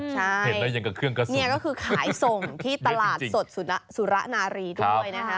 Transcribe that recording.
ใช่นี่ก็คือขายส่งที่ตลาดสดสุระนารีด้วยนะฮะ